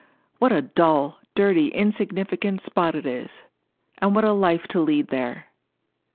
What a dull, dirty, insignificant spot it is! And what a life to lead there!"